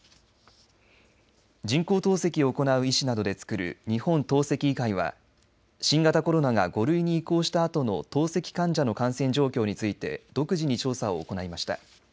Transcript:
人工透析を行う医師などで作る日本透析医会は新型コロナが５類に移行したあとの透析患者の感染状況について独自に調査を行いました。